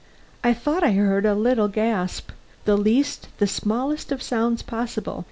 I thought I heard a little gasp the least, the smallest of sounds possible.